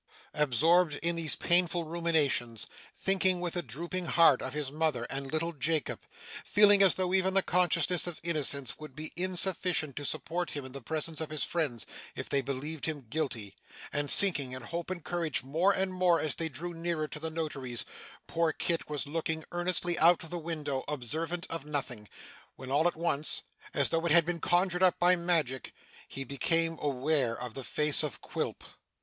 Absorbed in these painful ruminations, thinking with a drooping heart of his mother and little Jacob, feeling as though even the consciousness of innocence would be insufficient to support him in the presence of his friends if they believed him guilty, and sinking in hope and courage more and more as they drew nearer to the notary's, poor Kit was looking earnestly out of the window, observant of nothing, when all at once, as though it had been conjured up by magic, he became aware of the face of Quilp.